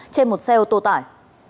trên một xe ô tô tải